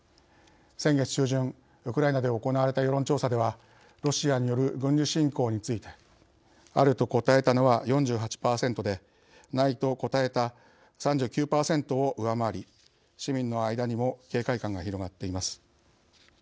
先月中旬、ウクライナで行われた世論調査ではロシアによる軍事侵攻についてあると答えたのは４８％でないと答えた３９％を上回り市民の間にも警戒感が広がっています。